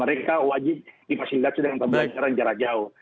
mereka wajib difasilitasi dengan pembelajaran jarak jauh